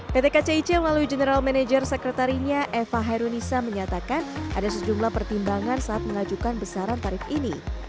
pt kcic melalui general manager sekretarinya eva hairunisa menyatakan ada sejumlah pertimbangan saat mengajukan besaran tarif ini